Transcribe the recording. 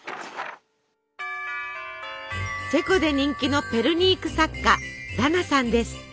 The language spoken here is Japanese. チェコで人気のペルニーク作家ダナさんです。